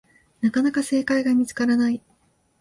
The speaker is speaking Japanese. なかなか正解が見つからない